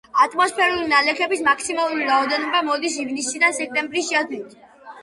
ატმოსფერული ნალექების მაქსიმალური რაოდენობა მოდის ივნისიდან სექტემბრის ჩათვლით.